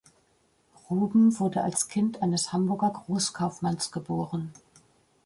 Ruben wurde als Kind eines Hamburger Großkaufmanns geboren.